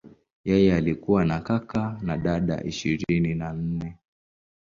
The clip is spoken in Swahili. Yeye alikuwa na kaka na dada ishirini na nne.